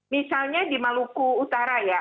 misalnya di maluku utara ya